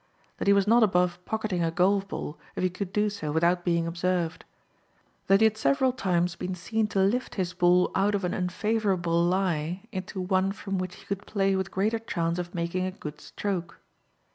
That he was not above pocketing a golf ball if he could do so without being observed. That he had several times been seen to lift his ball out of an unfavorable lie into one from which he could play with greater chance of making a good stroke.